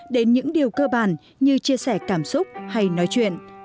đến những điều cơ bản như chia sẻ cảm xúc hay nói chuyện